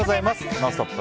「ノンストップ！」